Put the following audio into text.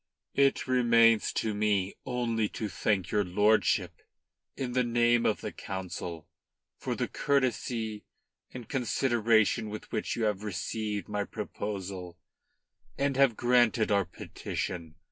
"It remains for me only to thank your lordship in the name of the Council for the courtesy and consideration with which you have received my proposal and granted our petition.